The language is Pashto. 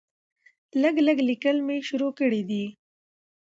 لږ لږ ليکل مې شروع کړي دي